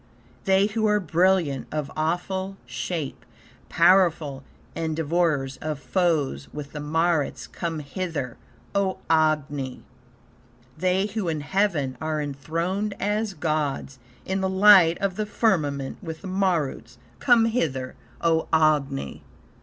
They who are brilliant, of awful shape, Powerful, and devourers of foes; with the Maruts come hither, O Agni! They who in heaven are enthroned as gods, In the light of the firmament; with the Maruts Come hither, O Agni!"